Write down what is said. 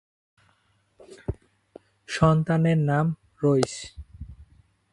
সন্তানের নাম রইস।